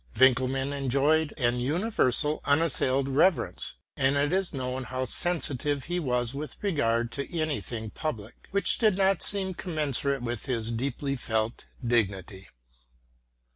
Winckelmann enjoyed an universal, unas sailed reverence ; and it is known how sensitive he was with regard to any thing public which did not seem commensurate with his deeply felt dignity.